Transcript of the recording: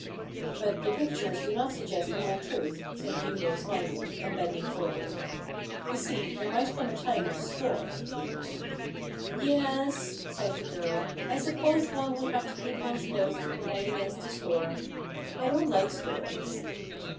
" But the pictures do not suggest the whole truth," said Hugo smiling, and bending forward. t( You see, there might come a time of storm." HUGO RAVEN'S HAND. 177 " Yes !" sighed the girl ; (t I suppose one would have to keep one's clothes to provide against a storm. I don't like storms."